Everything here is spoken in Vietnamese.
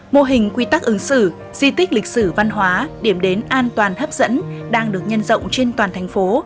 mô hình quy tắc ứng xử di tích lịch sử văn hóa điểm đến an toàn hấp dẫn đang được nhân rộng trên toàn thành phố